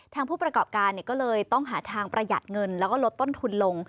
ผู้ประกอบการก็เลยต้องหาทางประหยัดเงินแล้วก็ลดต้นทุนลง